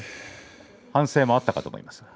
反省もあったかと思いますが。